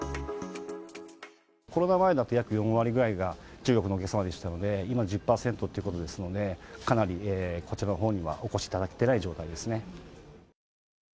コロナ前だと約４割ぐらいが中国のお客様でしたので、今、１０％っていうことですので、かなりこちらのほうにはお越しいただけてない状況ですね。